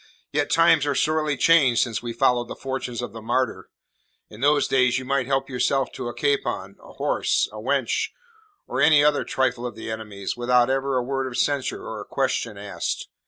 "Yet times are sorely changed since we followed the fortunes of the Martyr. In those days you might help yourself to a capon, a horse, a wench, or any other trifle of the enemy's, without ever a word of censure or a question asked.